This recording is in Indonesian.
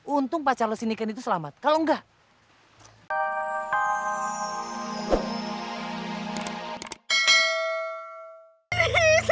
untung pacar lo si nuken itu selamat kalau enggak